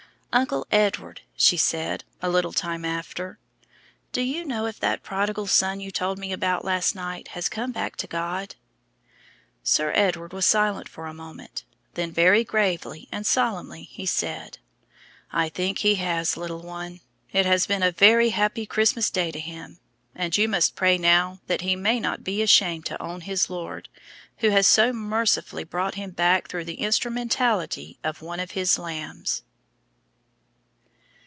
"Uncle Edward," she said, a little time after, "do you know if that prodigal son you told me about last night has come back to God?" Sir Edward was silent for a minute, then very gravely and solemnly he said: "I think he has, little one. It has been a very happy Christmas Day to him, and you must pray now that he may not be ashamed to own his Lord, who has so mercifully brought him back through the instrumentality of one of His lambs."